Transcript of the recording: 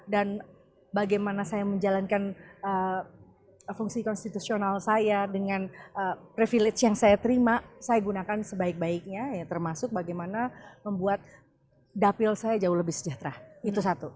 bagaimana saya menjalankan fungsi konstitusional saya dengan privilege yang saya terima saya gunakan sebaik baiknya ya termasuk bagaimana membuat dapil saya jauh lebih sejahtera itu satu